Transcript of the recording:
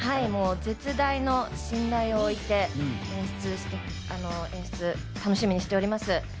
もう絶大の信頼をおいて演出、楽しみにしております。